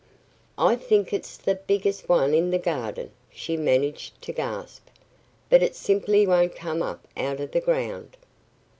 "I think it's the biggest one in the garden!" she managed to gasp. "But it simply won't come up out of the ground."